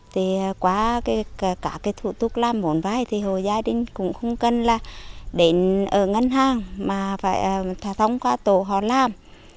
thì qua cả cái thủ tục làm vốn vai thì hồi gia đình cũng không cần là đến ở ngân hàng mà phải thông qua tổ họ làm